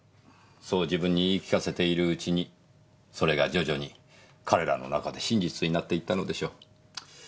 そう自分に言い聞かせているうちにそれが徐々に彼らの中で真実になっていったのでしょう。